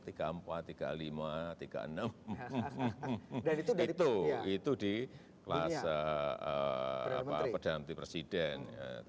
itu di kelas perdana menteri presiden